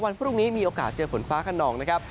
วันพรุ่งนี้มีโอกาสเจอฝนฟ้าขนองนะครับ